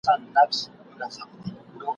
چي پر ځان مو راوستلې تباهي ده ..